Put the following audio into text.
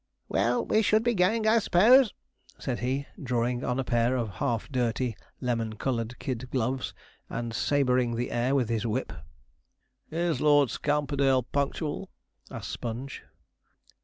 'Well, we should be going, I suppose,' said he, drawing on a pair of half dirty, lemon coloured kid gloves, and sabreing the air with his whip. 'Is Lord Scamperdale punctual?' asked Sponge.